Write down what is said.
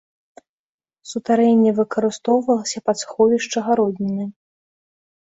Сутарэнне выкарыстоўвалася пад сховішча гародніны.